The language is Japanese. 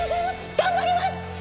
頑張ります！